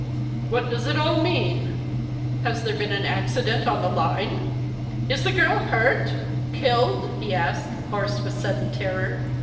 "What does it all mean ? Has there been an accident on the line ? Is the girl hurt— killed? " he asked, hoarse with sudden terror.